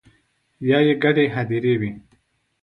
یا يې ګډې هديرې وي